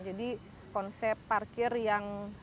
jadi konsep parkir yang looping di sana